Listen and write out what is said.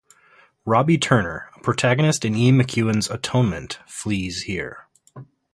Robbie Turner, a protagonist in Ian McEwan's "Atonement", flees here.